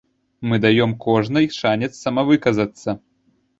Мы даём кожнай шанец самавыказацца.